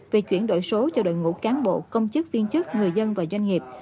về chuyển đổi số cho đội ngũ cán bộ công chức viên chức người dân và doanh nghiệp